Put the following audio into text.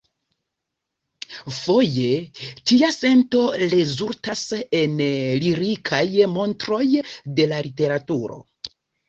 Foje tia sento rezultas en lirikaj montroj de literaturo.